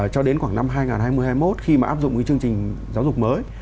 cho đến khoảng năm hai nghìn hai mươi một khi mà áp dụng cái chương trình giáo dục mới